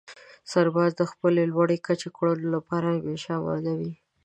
سرباز د خپلې لوړې کچې کړنو لپاره همېشه اماده وي.